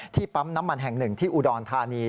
ปั๊มน้ำมันแห่งหนึ่งที่อุดรธานี